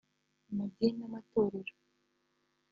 Amadini n’Amatorero